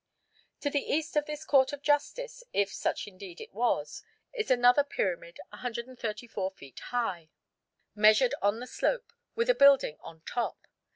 To the east of this Court of Justice, if such indeed it was, is another pyramid 134 feet high, measured on the slope, with a building on top.